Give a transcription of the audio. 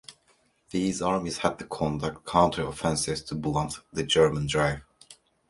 These armies had to conduct counter-offensives to blunt the German drive.